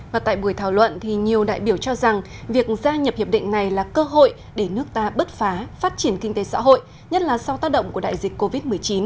và tại buổi thảo luận nhiều đại biểu cho rằng việc gia nhập hiệp định này là cơ hội để nước ta bứt phá phát triển kinh tế xã hội nhất là sau tác động của đại dịch covid một mươi chín